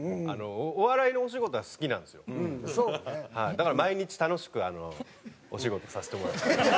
だから毎日楽しくお仕事させてもらってます。